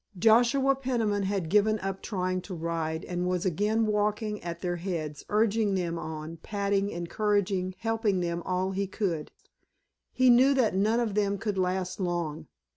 Joshua Peniman had given up trying to ride, and was again walking at their heads, urging them on, patting, encouraging, helping them all he could. He knew that none of them could last long.